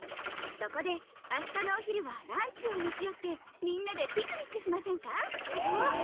そこで明日のお昼はランチを持ちよってみんなでピクニックしませんか？